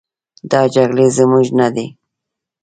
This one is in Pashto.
دا جګړې زموږ نه دي.